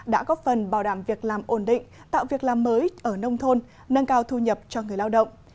đã góp phần bảo đảm việc làm ổn định tạo việc làm mới ở nông thôn nâng cao thu nhập cho người lao động